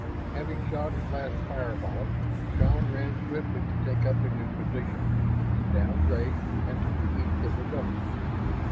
Having shot his last fireball, Shann ran swiftly to take up a new position, downgrade and to the east of the domes.